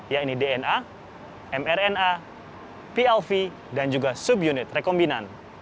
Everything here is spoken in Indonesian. yaitu dna mrna plv dan juga subunit rekombinan